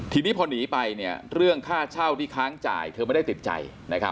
ทีนี้พอหนีไปเรื่องค่าเช่าที่ค้างจ่ายเธอไม่ได้ติดใจ